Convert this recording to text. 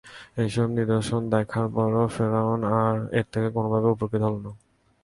এসব নিদর্শন দেখার পরও ফিরআউন এর থেকে কোনভাবেই উপকৃত হলো না।